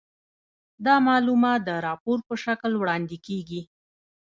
دا معلومات د راپور په شکل وړاندې کیږي.